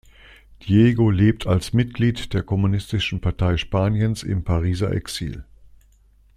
Diego lebt als Mitglied der kommunistischen Partei Spaniens im Pariser Exil.